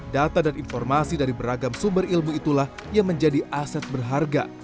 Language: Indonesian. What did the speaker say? data dan informasi dari beragam sumber ilmu itulah yang menjadi aset berharga